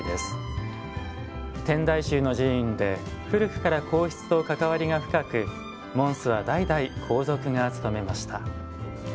天台宗の寺院で古くから皇室と関わりが深く門主は代々皇族がつとめました。